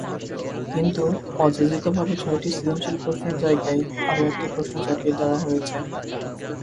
কিন্তু অযাচিতভাবে ছয়টি সৃজনশীল প্রশ্নের জায়গায় আরও একটি প্রশ্ন চাপিয়ে দেওয়া হয়েছে।